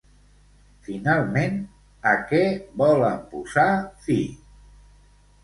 Finalment, a què volen posar fi?